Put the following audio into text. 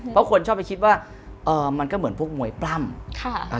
เพราะคนชอบไปคิดว่ามันก็เหมือนพวกมวยปล้ำ